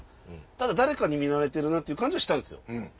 ただ誰かに見られてる感じはしたんですよ。